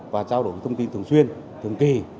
và trao đổi thông tin thường xuyên thường kỳ